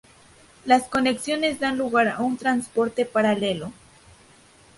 Las conexiones dan lugar a un transporte paralelo.